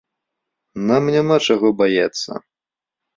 Нам няма чаго баяцца.